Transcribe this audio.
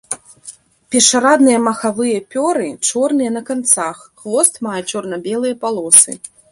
Першарадныя махавыя пёры чорныя на канцах, хвост мае чорна-белыя палосы.